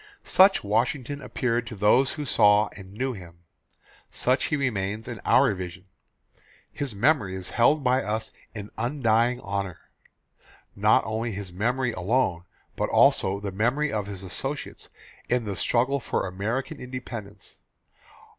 Such Washington appeared to those who saw and knew him. Such he remains to our vision. His memory is held by us in undying honour. Not only his memory alone but also the memory of his associates in the struggle for American Independence.